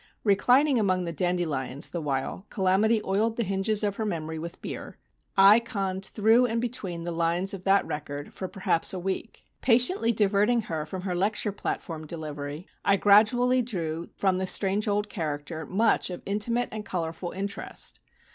Reclining among the dandelions the while "Calamity" oiled the hinges of her memory with beer, I conned through and between the lines of that record for perhaps a week. Patiently diverting her from her lecture platform delivery, I gradually drew from the strange old character much of intimate and colourful interest.